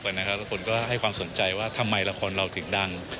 แล้วคนก็ให้ความสนใจว่าทำไมละครเราถึงดัง